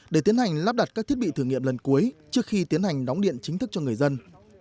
để tiến hành lắp đặt các thiết bị thử nghiệm lần cuối trước khi tiến hành đóng điện chính thức cho người dân